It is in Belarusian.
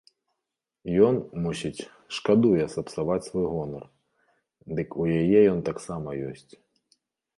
Ён, мусіць, шкадуе сапсаваць свой гонар, дык у яе ён таксама ёсць.